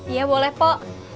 iya boleh pok